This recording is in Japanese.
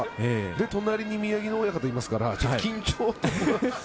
隣に宮城野親方いますから緊張。